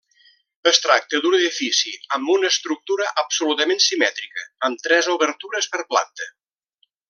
Es tracta d'un edifici amb una estructura absolutament simètrica, amb tres obertures per planta.